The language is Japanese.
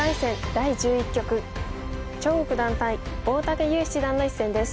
第１１局張栩九段対大竹優七段の一戦です。